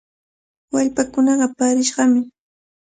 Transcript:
Wallpaakunaqa paarishqami.